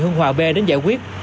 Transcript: hương hòa b đến giải quyết